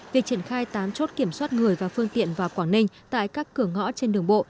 việc triển khai tám chốt kiểm soát người và phương tiện vào quảng ninh tại các cửa ngõ trên đường bộ